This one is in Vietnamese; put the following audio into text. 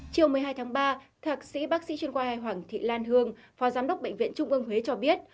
chiều một mươi hai tháng ba thạc sĩ bác sĩ chuyên khoa hoàng thị lan hương phó giám đốc bệnh viện trung ương huế cho biết